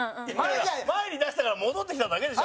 前に出したら戻ってきただけでしょ？